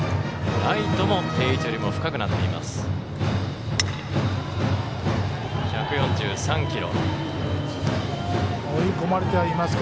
ライトも定位置よりも深くなっています。